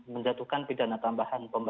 menjatuhkan pidana tambahan